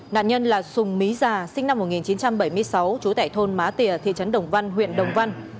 nạn nhân là sùng mí già sinh năm một nghìn chín trăm bảy mươi sáu trú tại thôn má tỉa thị trấn đồng văn huyện đồng văn